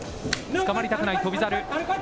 つかまりたくない翔猿。